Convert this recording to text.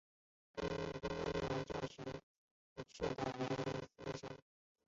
毕业后通过英文教学和报纸编辑维生。